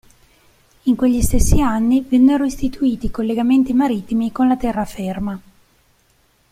In quegli stessi anni vennero istituiti collegamenti marittimi con la terraferma.